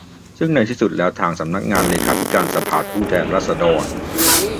ซึ่งในที่สุดแล้วทางสำนักงานเลขาธิการสภาผู้แทนราษฎร